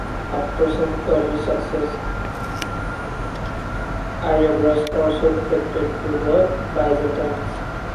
After some early successes, Argyrus also defected to the Byzantines.